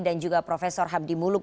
dan juga profesor habdi muluk